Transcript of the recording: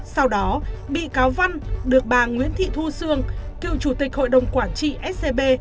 sau đó bị cáo văn được bà nguyễn thị thu sương cựu chủ tịch hội đồng quản trị scb